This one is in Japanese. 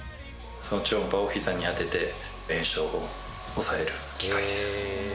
超音波をひざに当てて、炎症を抑える機械です。